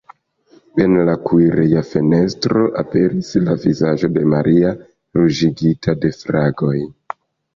En la kuireja fenestro aperis la vizaĝo de Maria, ruĝigita de fragoj.